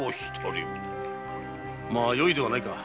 よいではないか。